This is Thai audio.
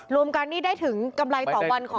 รวมกันนี่ได้ถึงกำไรต่อวันของ